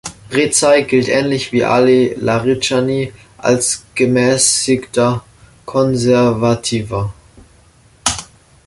Rezai gilt ähnlich wie Ali Laridschani als gemäßigter Konservativer.